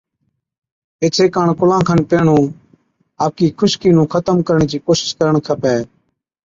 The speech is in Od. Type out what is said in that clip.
ايڇي ڪاڻ ڪُلان کن پيهڻُون آپڪِي خُشڪِي نُون ختم ڪرڻي چِي ڪوشش ڪرڻ کپَي۔